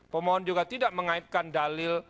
pemohon juga tidak mengaitkan dalil